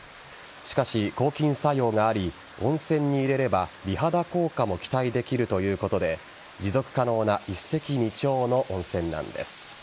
しかし、抗菌作用があり温泉に入れば美肌効果も期待できるということで持続可能な一石二鳥の温泉なんです。